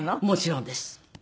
もちろんです。